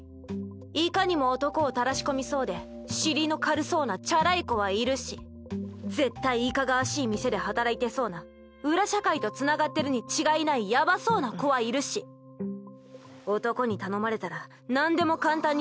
いかにも男をたらし込みそうで尻の軽そうなチャラい子はいるし絶対いかがわしい店で働いてそうな裏社会とつながってるに違いないやばそうな子はいるし男に頼まれたらなんでも簡単にやっちゃいそうな